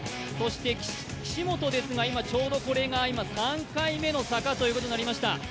そして岸本ですが、今ちょうどこれが３回目の坂ということになりました。